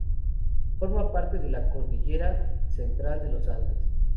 Forma parte de la cordillera Central de los Andes.